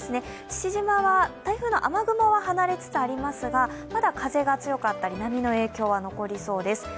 父島は台風の雨雲は離れつつありますがまだ風が強かったり波の影響は残りそうです。